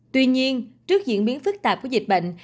tuy nhiên trước diễn biến phức tạp của dịch bệnh